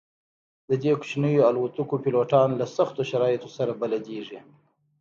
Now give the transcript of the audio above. د دې کوچنیو الوتکو پیلوټان له سختو شرایطو سره بلدیږي